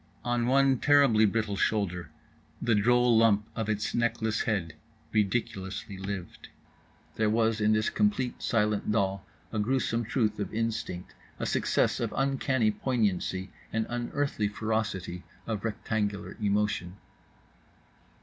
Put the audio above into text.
On one terribly brittle shoulder the droll lump of its neckless head ridiculously lived. There was in this complete silent doll a gruesome truth of instinct, a success of uncanny poignancy, an unearthly ferocity of rectangular emotion.